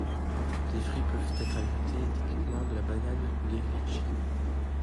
Des fruits peuvent être ajoutés, typiquement de la banane ou des litchis.